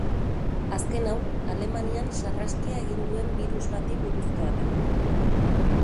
Azken hau, Alemanian sarraskia egin duen birus bati buruzkoa da.